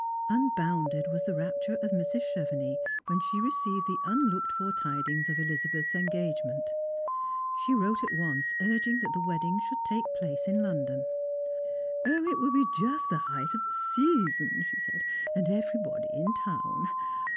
Unbounde 3 was the rapture of Mrs. Chevenix when she received the unlooked for tidings of Elizabeth's engagement. She wrote at once urging that the wedding should take place in Lon.lon. " It will be just the height of the season," she said, " and every body in town.